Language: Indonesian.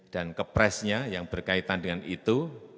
dan kepres nya yang berkaitan dengan itu